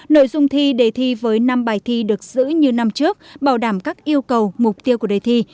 nội dung thi đề thi với năm bài thi được giữ như năm trước bảo đảm các yêu cầu mục tiêu của đề thi